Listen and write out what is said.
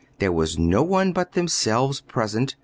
There was no one but themselves present.